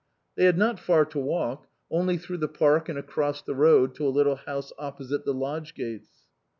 They had not far to walk; only through the park and across the road to a little house oppo site the lodge gates.